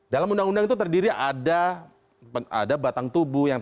dalam undang undang itu terdiri ada batang tubuh